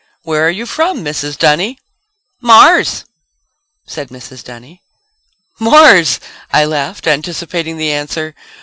"Where are you from, Mrs. Dunny?" "Mars!" said Mrs. Dunny. "Mars!" I laughed, anticipating the answer.